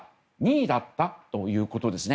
２位だったということです。